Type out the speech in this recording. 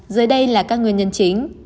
dưới đây là các nguyên nhân chính